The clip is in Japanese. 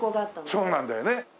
そうなんだよね。